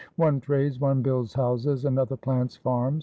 One trades, one builds houses, another plants farms.